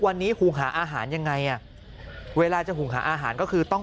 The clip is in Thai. วันนี้หุงหาอาหารยังไงอ่ะเวลาจะหุงหาอาหารก็คือต้อง